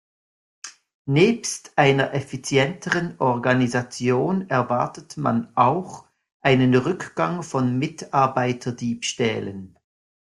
Nebst einer effizienteren Organisation erwartet man auch einen Rückgang von Mitarbeiterdiebstählen.